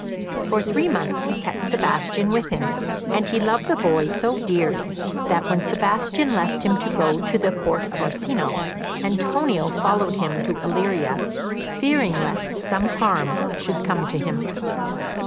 For three months he kept Sebastian with him, and he loved the boy so dearly that, when Sebastian left him to go to the Court of Orsino, Antonio followed him to Illyria, fearing lest some harm should come to him.